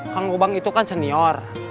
kang ubang itu kan senior